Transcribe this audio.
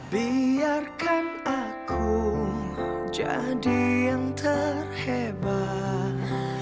biarkan aku jadi yang terhebat